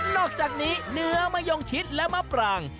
นอกจากนี้เนื้อมะยงชิดและมะปราง